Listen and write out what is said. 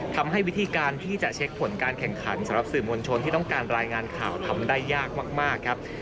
ทำให้วิธีการที่จะเช็คผลการแข่งขันสำหรับสื่อมวลชนที่ต้องการรายงานข่าวทำได้ยากมากครับ